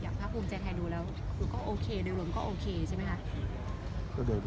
คือก็โอเคโดยรวมก็โอเคใช่ไหมคะ